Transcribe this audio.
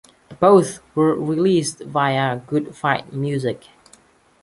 Both were released via Good Fight Music.